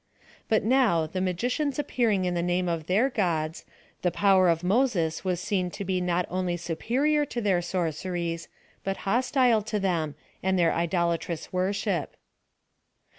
But now, the Magicians appearing in the name of their gods, the power of Moses was seen to be not only superior to their sorceries, but hostile to them and their idcla Irous worship.